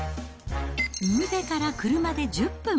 海辺から車で１０分。